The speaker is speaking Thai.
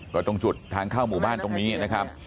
ก็ตรงจุดทางเข้าหมู่บ้านตรงนี้นะครับ